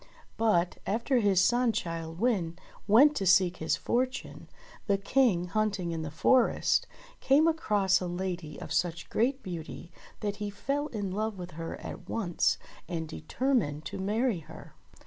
But, after his son Childe Wynde went to seek his fortune, the King, hunting in the forest, came across a lady of such great beauty that he fell in love with her at once and determined to marry her.